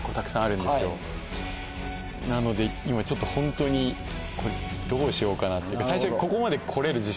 なので今ちょっとホントにこれどうしようかなって。